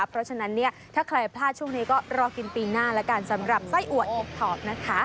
เพราะฉะนั้นเนี่ยถ้าใครพลาดช่วงนี้ก็รอกินปีหน้าแล้วกันสำหรับไส้อัวเห็บท็อกนะคะ